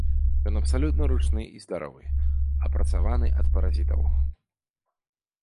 Ён абсалютна ручны і здаровы, апрацаваны ад паразітаў.